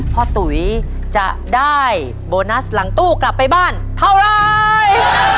ตุ๋ยจะได้โบนัสหลังตู้กลับไปบ้านเท่าไร